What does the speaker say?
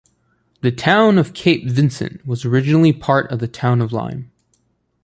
The Town of Cape Vincent was originally part of the Town of Lyme.